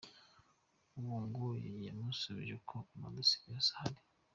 Uwo ngo yamusubije ko amadosiye yose ahari.